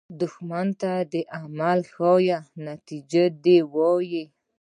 دښمن ته عمل مه ښیه، نتیجه دې ووایه